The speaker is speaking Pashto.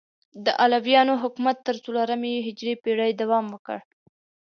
د علویانو حکومت تر څلورمې هجري پیړۍ دوام وکړ.